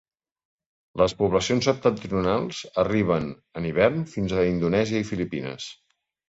Les poblacions septentrionals arriben en hivern fins a Indonèsia i Filipines.